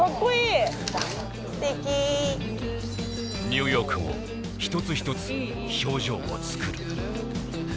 ニューヨークも１つ１つ表情を作る